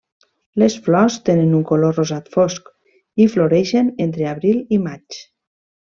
Les flors tenen un color rosat fosc i floreixen entre abril i maig.